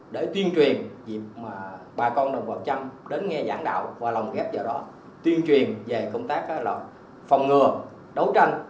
để tuyên truyền dịp bà con đồng bào trăm đến nghe giảng đạo và lồng ghép vào đó tuyên truyền về công tác là phòng ngừa đấu tranh